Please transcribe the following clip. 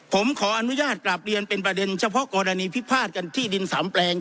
ผมขออนุญาตกลับเรียนเป็นประเด็นเฉพาะกรณีพิพาทกันที่ดินสามแปลง